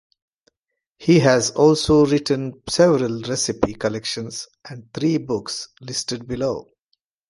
He has also written several recipe collections and three books, listed below.